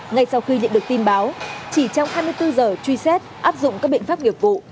ngay sau khi nhận được tin báo chỉ trong hai mươi bốn giờ truy xét áp dụng các biện pháp nghiệp vụ